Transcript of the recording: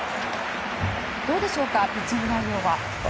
どうでしょうかピッチング内容は。